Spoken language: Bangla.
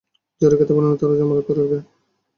যারা খেতে পারে না তারা জমা করে রাখে।